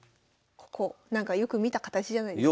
ここよく見た形じゃないですか？